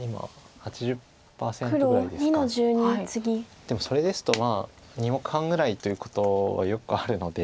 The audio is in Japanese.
でもそれですとまあ２目半ぐらいということはよくあるので。